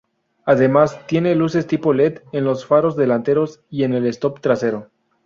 Además, tiene luces tipo led en los faros delanteros y en el stop trasero.